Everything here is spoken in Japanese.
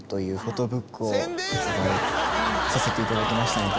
発売させていただきましたので。